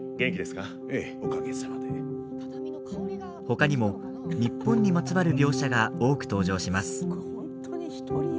他にも、日本にまつわる描写が多く登場します。